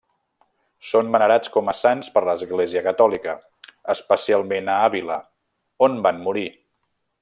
Són venerats com a sants per l'Església catòlica, especialment a Àvila, on van morir.